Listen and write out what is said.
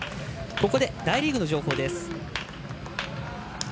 ここで大リーグの情報です。